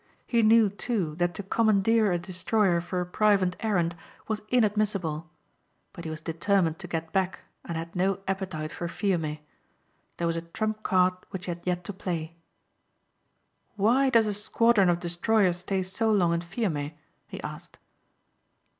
He knew, too, that to commandeer a destroyer for a private errand was inadmissable. But he was determined to get back and had no appetite for Fiume. There was a trump card which he had yet to play. "Why does a squadron of destroyers stay so long in Fiume?" he asked.